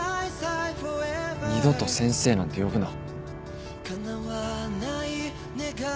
二度と先生なんて呼ぶな。